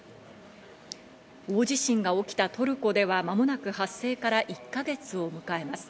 大地震が起きたトルコでは間もなく発生から１か月を迎えます。